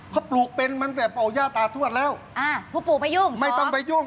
เขาปลูกเป็นตั้งแต่เป่าย่าตาทวดแล้วอ่าผู้ปลูกไปยุ่งไม่ต้องไปยุ่ง